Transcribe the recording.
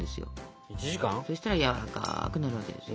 そしたらやわらかくなるわけですよ。